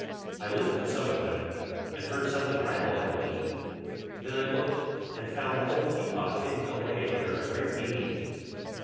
I lifted some of them, and heard something rattle underneath: then I looked, and found that old teapot, hidden away under a great beam.